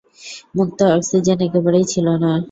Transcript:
মুক্ত অক্সিজেন একেবারেই ছিল না।